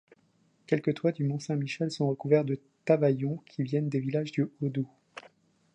Quelques toits du Mont-Saint-Michel sont recouverts de tavaillons qui viennent des villages du Haut-Doubs.